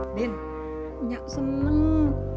udin nyak seneng